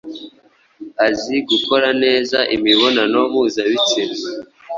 azi gukora neza imibonano mpuzabitsina.